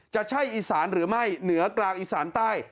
จะใช่อีสานหรือไม่เหนือกลางอีสานใต้